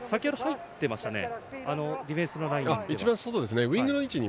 先ほど入っていましたディフェンスのラインに。